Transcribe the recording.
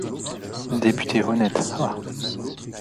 Député honnête, ah!